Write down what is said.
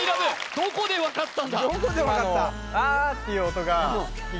どこで分かった？